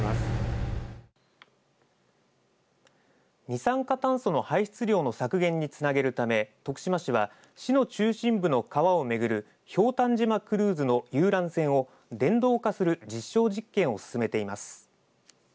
二酸化炭素の排出量の削減につなげるため徳島市は、市の中心部の川を巡るひょうたん島クルーズの遊覧船を電動化する実証実験を進めています。